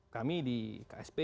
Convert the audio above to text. kami di ksp